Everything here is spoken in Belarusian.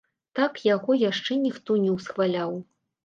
Так яго яшчэ ніхто не усхваляў.